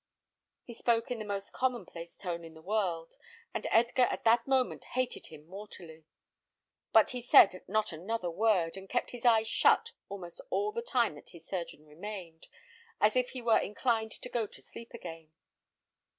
He spoke in the most commonplace tone in the world; and Edgar at that moment hated him mortally; but he said not another word, and kept his eyes shut almost all the time that his surgeon remained, as if he were inclined to go to sleep again.